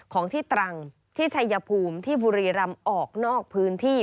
ของที่ตรังที่ชัยภูมิที่บุรีรำออกนอกพื้นที่